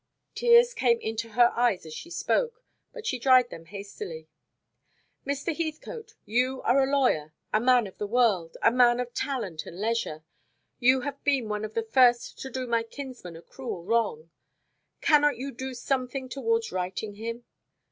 Tears came into her eyes as she spoke, but she dried them hastily. "Mr. Heathcote, you are a lawyer, a man of the world, a man of talent and leisure. You have been one of the first to do my kinsman a cruel wrong. Cannot you do something towards righting him?